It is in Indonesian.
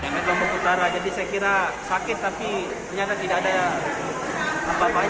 jadi saya kira sakit tapi ternyata tidak ada apa apanya